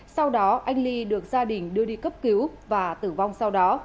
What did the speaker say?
sau đó anh ly được gia đình đưa đi cấp cứu và tử vong sau đó